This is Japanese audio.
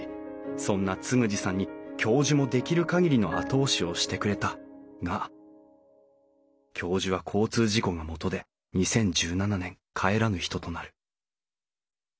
そんな嗣二さんに教授もできる限りの後押しをしてくれたが教授は交通事故がもとで２０１７年帰らぬ人となる。